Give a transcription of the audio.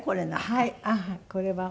はい。